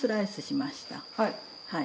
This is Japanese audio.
はい。